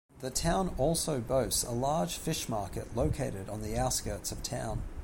The town also boasts a large fish market located on the outskirts of town.